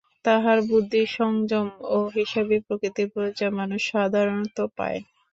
তাহার বুদ্ধি, সংযম ও হিসাবি প্রকৃতির পরিচয় মানুষ সাধারণত পায়।